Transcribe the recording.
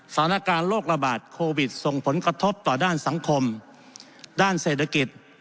สถานการณ์โรคระบาดโควิดส่งผลกระทบต่อด้านสังคมด้านเศรษฐกิจ